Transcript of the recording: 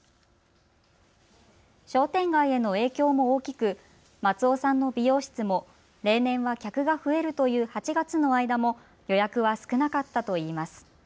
商店街への影響も大きく、松尾さんの美容室も例年は客が増えるという８月の間も予約は少なかったといいます。